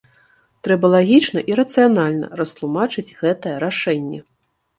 Трэба лагічна і рацыянальна растлумачыць гэтае рашэнне.